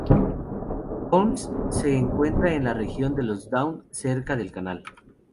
Holmes se encuentra en la región de los Down, cerca del Canal.